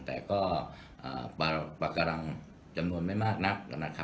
แต่ก็ปากกำลังจำนวนไม่มากนัก